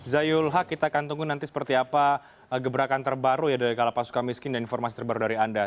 zayul haq kita akan tunggu nanti seperti apa gebrakan terbaru ya dari kalapas suka miskin dan informasi terbaru dari anda